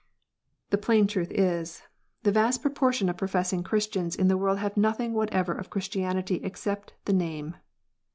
The plain truth is 3 the vast proportion of professing Christians in the world jiave_no_tlnng_whatever_of_Christianity excepf the name.